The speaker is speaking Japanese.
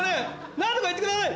何とか言ってください。